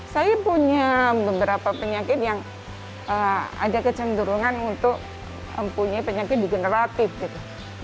saya punya beberapa penyakit yang ada kecenderungan untuk mempunyai penyakit degeneratif gitu